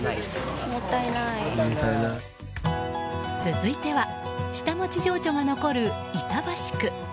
続いては下町情緒が残る板橋区。